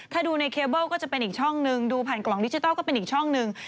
ถ้าดูในเคเบิลก็จะเป็นอีกช่องนึงดูผ่านกล่องดิจิทัลก็เป็นอีกช่องหนึ่ง